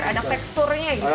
biar ada teksturnya gitu ya